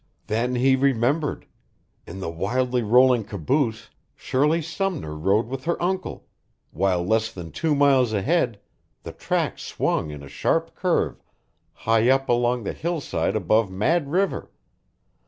Then he remembered. In the wildly rolling caboose Shirley Sumner rode with her uncle, while less than two miles ahead, the track swung in a sharp curve high up along the hillside above Mad River.